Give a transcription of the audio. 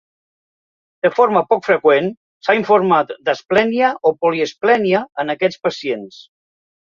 De forma poc freqüent, s'ha informat d'asplènia o poliesplènia en aquests pacients.